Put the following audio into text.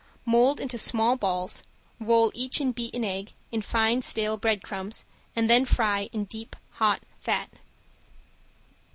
Mold into small balls, roll each in beaten egg, in fine stale breadcrumbs, and then fry in deep hot fat.